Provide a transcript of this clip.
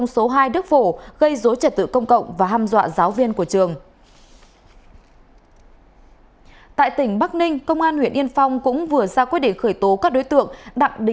xin chào và hẹn gặp lại